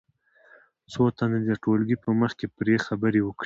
څو تنه دې د ټولګي په مخ کې پرې خبرې وکړي.